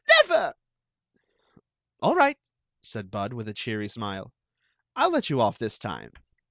Never!" " All right," said Bud, with a cheery smile. " I '11 let you off this time.